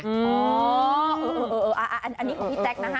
อ๋อเอออันนี้ของพี่แต๊กนะ๕๖นะ